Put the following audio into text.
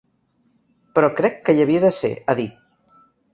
Però crec que hi havia de ser, ha dit.